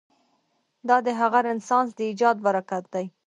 دا د همغه رنسانس د ایجاد براکت دی.